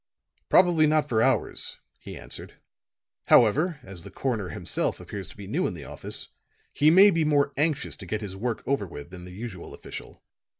"Probably not for hours," he answered. "However, as the coroner himself appears to be new in the office, he may be more anxious to get his work over with than the usual official.